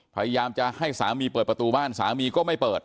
พยายามจะให้สามีเปิดประตูบ้านสามีก็ไม่เปิด